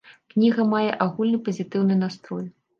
Кніга мае агульны пазітыўны настрой.